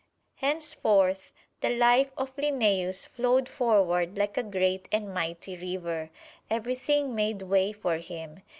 Henceforth, the life of Linnæus flowed forward like a great and mighty river everything made way for him.